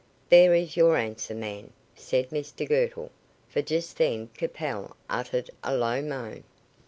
"There is your answer, man," said Mr Girtle, for just then Capel uttered a low moan.